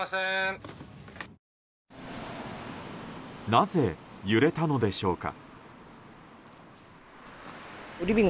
なぜ、揺れたのでしょうか。